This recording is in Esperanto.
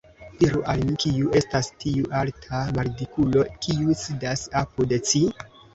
Diru al mi, kiu estas tiu alta maldikulo, kiu sidas apud ci?